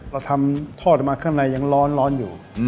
เราทำทอดออกมาข้างในยังร้อนอยู่